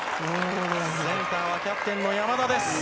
センターはキャプテンの山田です。